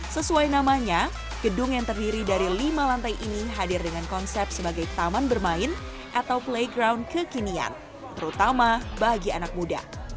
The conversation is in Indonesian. sesuai namanya gedung yang terdiri dari lima lantai ini hadir dengan konsep sebagai taman bermain atau playground kekinian terutama bagi anak muda